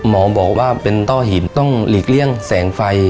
หมอบอกว่าเป็นต้อหินต้องหลีกเลี่ยงแสงไฟ